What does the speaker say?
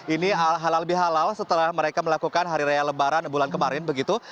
ini halal bihalal setelah mereka melakukan hari raya lebaran bulan kemarin begitu